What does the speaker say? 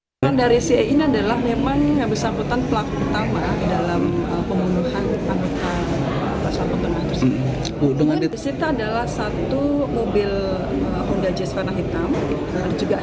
pembangunan dari ca ini adalah memang yang bersangkutan pelaku utama